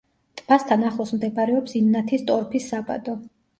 ტბასთან ახლოს მდებარეობს იმნათის ტორფის საბადო.